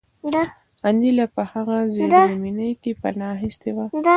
انیلا په هغه زیرزمینۍ کې پناه اخیستې وه